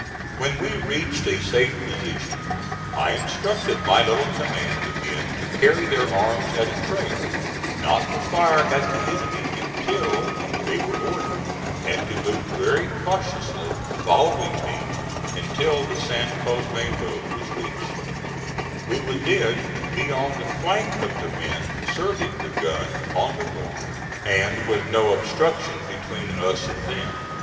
When we reached a safe position I instructed my little command again to carry their arms at a trail, not to fire at the enemy until they were ordered, and to move very cautiously following me until the San Cosme road was reached; we would then be on the flank of the men serving the gun on the road, and with no obstruction between us and them.